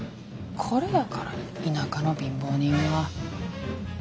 これやから田舎の貧乏人は。